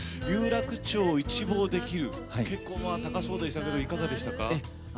有楽町を一望できる結構、高そうでしたがいかがでしたか？